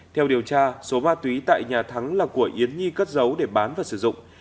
theo điều tra số ma túy tại nhà thắng là của yến nhi cất giấu để bán và sử dụng